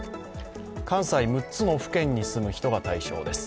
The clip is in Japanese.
関西６つの府県に住む人が対象です